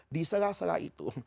di salah salah itu